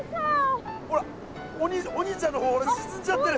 ほらお兄ちゃんの方しずんじゃってる。